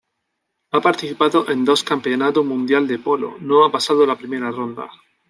Ha participado en dos Campeonato Mundial de Polo, no ha pasado la primera ronda.